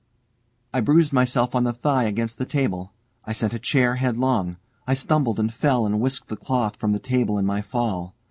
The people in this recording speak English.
I bruised myself on the thigh against the table, I sent a chair headlong, I stumbled and fell and whisked the cloth from the table in my fall.